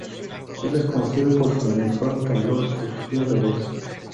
Él es conocido por su inusual temblor y frío de voz.